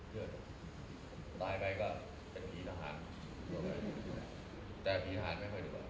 เยอะเยอะ